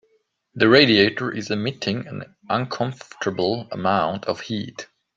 That radiator is emitting an uncomfortable amount of heat.